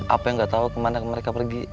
apa yang gak tahu kemana mereka pergi